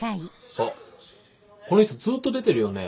あっこの人ずっと出てるよね